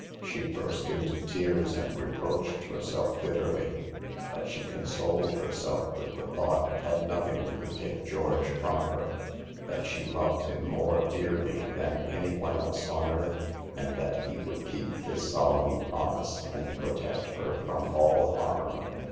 She burst into tears and reproached herself bitterly. But she consoled herself with the thought that nothing could take George from her; that she loved him more dearly than any one else on earth, and that he would keep his solemn promise and protect her from all harm.